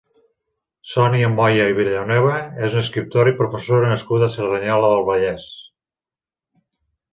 Sònia Moya i Villanueva és una escriptora i professora nascuda a Cerdanyola del Vallès.